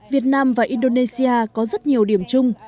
việt nam và indonesia có rất nhiều điểm chung